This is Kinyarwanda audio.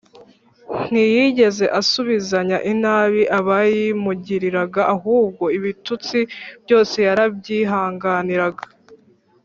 Ntiyigeze asubizanya inabi abayimugiriraga, ahubwo ibitutsi byose yarabyihanganiraga